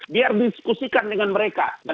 biar diskusikan dengan mereka